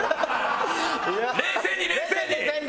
冷静に冷静に！